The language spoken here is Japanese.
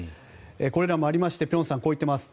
これらもありまして辺さんはこう言っています。